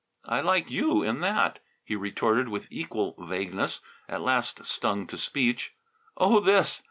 "I like you in that," he retorted with equal vagueness, at last stung to speech. "Oh, this!"